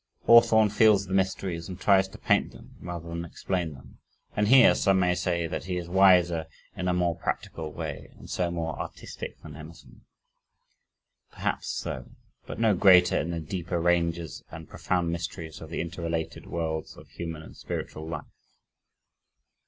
Hawthorne feels the mysteries and tries to paint them rather than explain them and here, some may say that he is wiser in a more practical way and so more artistic than Emerson. Perhaps so, but no greater in the deeper ranges and profound mysteries of the interrelated worlds of human and spiritual life.